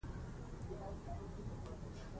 د پیسو ساتل هنر غواړي.